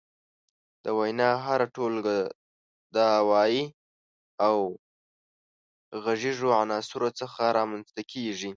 د وينا هره ټولګه د اوايي او غږيزو عناصرو څخه رامنځ ته کيږي.